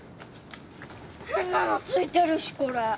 変なのついてるしこれ。